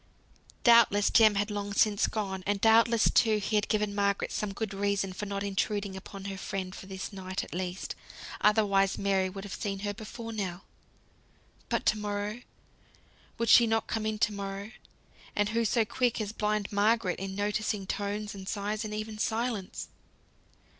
Doubtless Jem had long since gone; and doubtless, too, he had given Margaret some good reason for not intruding upon her friend for this night at least, otherwise Mary would have seen her before now. But to morrow, would she not come in to morrow? And who so quick as blind Margaret in noticing tones, and sighs, and even silence?